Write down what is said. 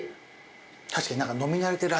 確かに。